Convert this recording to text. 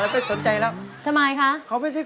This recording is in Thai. เล่นอย่างไหน